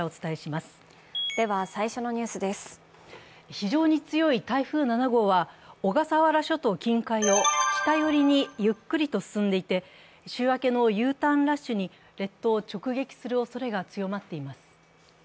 非常に強い風７号は、小笠原諸島近海を北寄りにゆっくりと進んでいて週明けのＵターンラッシュに列島を直撃するおそれが強まっています。